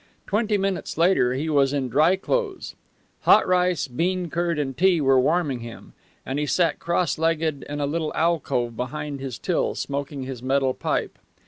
Twenty minutes later he was in dry clothes; hot rice, bean curd, and tea were warming him; and he sat cross legged in a little alcove behind his till, smoking his metal pipe.